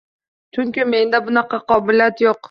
Chunki menda bunaqa qobiliyat yo’q.